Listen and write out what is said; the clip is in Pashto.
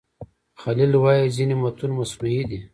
خلیل وايي ځینې متون مصنوعي دي.